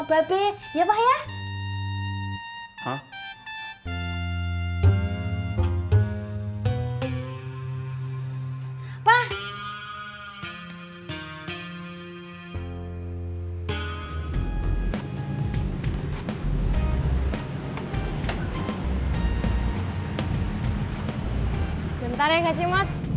bentar ya kak cimot